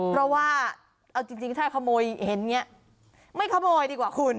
เพราะว่าเอาจริงถ้าขโมยเห็นอย่างนี้ไม่ขโมยดีกว่าคุณ